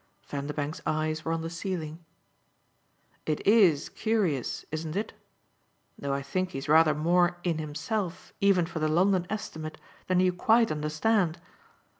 Vanderbank's eyes were on the ceiling. "It IS curious, isn't it? though I think he's rather more 'in himself,' even for the London estimate, than you quite understand."